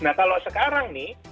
nah kalau sekarang nih